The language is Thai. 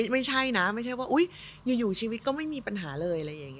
ไม่ใช่นะไม่ใช่ว่าอยู่ชีวิตก็ไม่มีปัญหาเลย